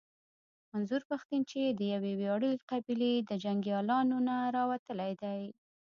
منظور پښتين چې د يوې وياړلې قبيلې د جنګياليانو نه راوتلی دی.